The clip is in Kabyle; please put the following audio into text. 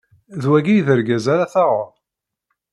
D wagi i d argaz ara taɣeḍ?